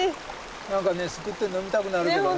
何かねすくって飲みたくなるけどね。